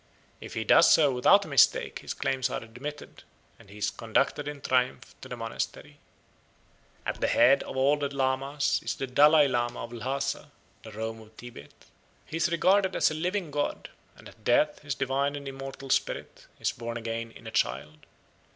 If he does so without a mistake his claims are admitted, and he is conducted in triumph to the monastery. At the head of all the Lamas is the Dalai Lama of Lhasa, the Rome of Tibet. He is regarded as a living god, and at death his divine and immortal spirit is born again in a child.